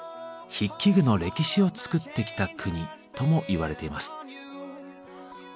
筆記具の歴史を作ってきた国ともいわれています。